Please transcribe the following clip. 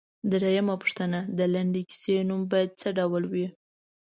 درېمه پوښتنه ـ د لنډې کیسې نوم باید څه ډول وي؟